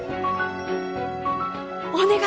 お願い！